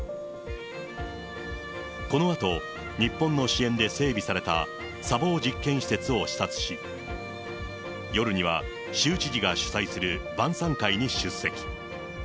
このあと、日本の支援で整備された砂防実験施設を視察し、夜には州知事が主催する晩さん会に出席。